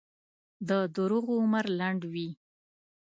د دروغو عمر لنډ وي.